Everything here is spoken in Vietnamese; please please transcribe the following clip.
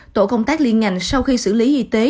tổ công tác liên ngành sau khi xử lý y tế